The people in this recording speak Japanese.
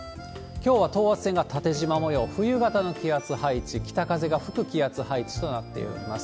きょうは等圧線が縦じま模様、冬型の気圧配置、北風が吹く気圧配置となっております。